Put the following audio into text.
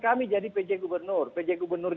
kami jadi pj gubernur pj gubernur